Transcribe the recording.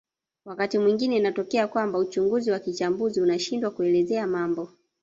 Wakati mwingine inatokea kwamba uchunguzi wa kichambuzi unashindwa kuelezea mambo